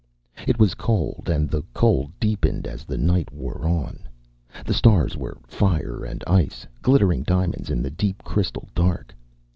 It was cold, and the cold deepened as the night wore on. The stars were fire and ice, glittering diamonds in the deep crystal dark.